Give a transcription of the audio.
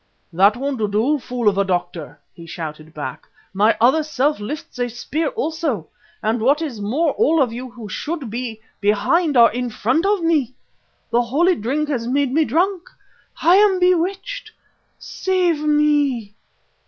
"That won't do, fool of a doctor," he shouted back. "My other self lifts a spear also, and what is more all of you who should be behind are in front of me. The holy drink has made me drunk; I am bewitched. Save me!"